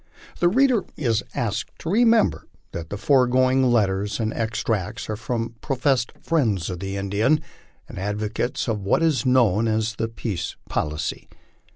The reader is asked to remember that the foregoing letters and extracts are from professed friends of the Indian and advocates of what is known as the peace policy.